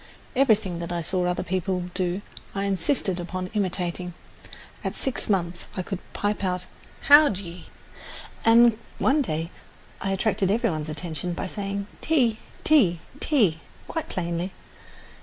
Everything that I saw other people do I insisted upon imitating. At six months I could pipe out "How d'ye," and one day I attracted every one's attention by saying "Tea, tea, tea" quite plainly.